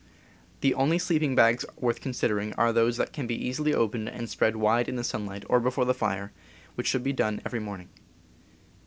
The only sleeping bags worth considering are those that can easily be opened and spread wide in the sunlight or before the fire, which should be done every morning.